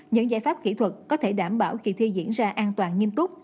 những giải pháp kỹ thuật có thể đảm bảo kỳ thi diễn ra an toàn nghiêm túc